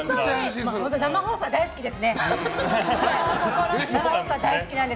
生放送、大好きなんです。